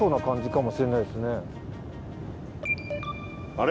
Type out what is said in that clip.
あれ？